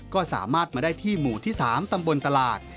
ก็สามารถมาได้ที่หมู่ที่๓ตำบลตลาด